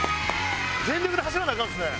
全力で走らなアカンですね。